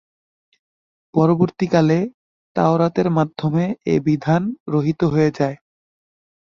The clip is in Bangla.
পরবর্তীকালে তাওরাতের মাধ্যমে এ বিধান রহিত হয়ে যায়।